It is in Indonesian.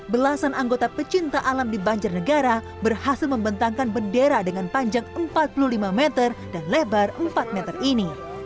belasan anggota pecinta alam di banjarnegara berhasil membentangkan bendera dengan panjang empat puluh lima meter dan lebar empat meter ini